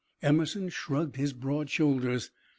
Emerson shrugged his broad shoulders.